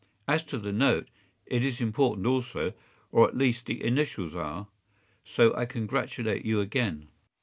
As to the note, it is important also, or at least the initials are, so I congratulate you again.